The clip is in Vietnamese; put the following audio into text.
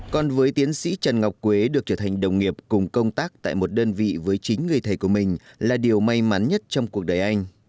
còn với tiến sĩ trần ngọc quế được trở thành đồng nghiệp cùng công tác tại một đơn vị với chính người thầy của mình là điều may mắn nhất trong cuộc đời anh